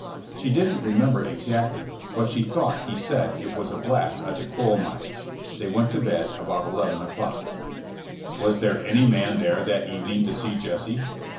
She didn't remember exactly, but she thought he said it was a blast at the coal mines. They went to bed about 11 o'clock. *'Was there any man there that evening to see Jesse